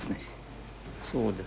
そうです。